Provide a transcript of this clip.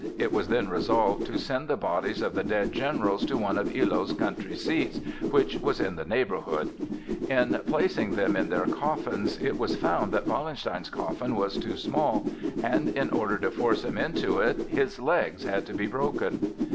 It was then resolved to send the bodies of the dead generals to one of Illo's country seats, which was in the neighborhood. In placing them in their coffins, it was found that Wallenstein's coffin was too small, and in order to force him into it his legs had to be broken.